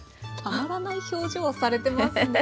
たまらない表情をされてますね。